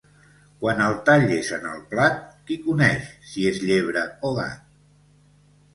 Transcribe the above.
Quan el tall és en el plat, qui coneix si és llebre o gat?